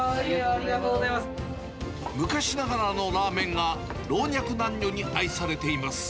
昔ながらのラーメンが、老若男女に愛されています。